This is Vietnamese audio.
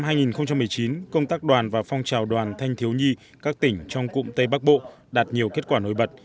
năm hai nghìn một mươi chín công tác đoàn và phong trào đoàn thanh thiếu nhi các tỉnh trong cụm tây bắc bộ đạt nhiều kết quả nổi bật